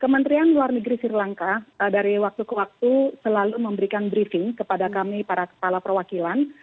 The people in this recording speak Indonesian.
kementerian luar negeri sri lanka dari waktu ke waktu selalu memberikan briefing kepada kami para kepala perwakilan